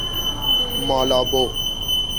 مالابو